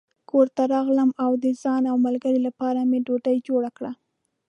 کور ته راغلم او د ځان او ملګري لپاره مې ډوډۍ جوړه کړه.